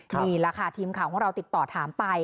ทีมข่าวของเราติดต่อถามไป